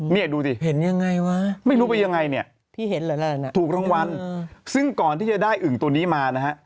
นี่ดูสิไม่รู้ไปยังไงเนี่ยถูกรางวัลซึ่งก่อนที่จะได้อึงตัวนี้มานะฮะ